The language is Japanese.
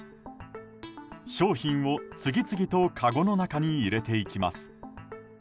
商品を次々とかごの中に入れていきます。